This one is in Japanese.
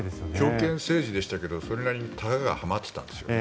強権政治でしたがそれなりにたががはまっていたんですよね。